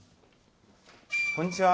こんにちは。